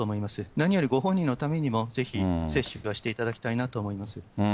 何よりご本人のためにも、ぜひ接種はしていただきたいなと思います。